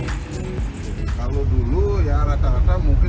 kalau dulu ya rata rata mungkin seratus satu ratus lima puluh